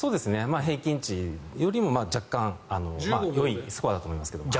平均値よりも若干よいスコアと思います。